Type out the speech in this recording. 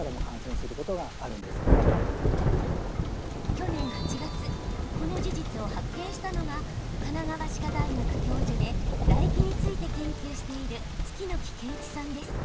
去年８月この事実を発見したのが神奈川歯科大学教授で唾液について研究している槻木恵一さんです。